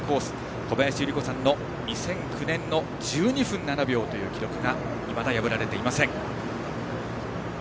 小林祐梨子さんの２００９年の１２分７秒という記録がいまだ破られていません。